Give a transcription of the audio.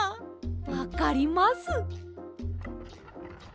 わかります！